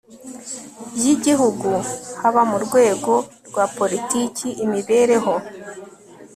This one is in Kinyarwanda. y igihugu haba mu rwego rwa poritiki imibereho